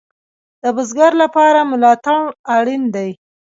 د بزګر لپاره ملاتړ اړین دی